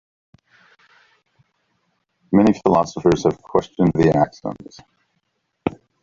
Many philosophers have questioned the axioms.